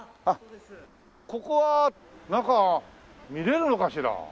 ここは中見られるのかしら。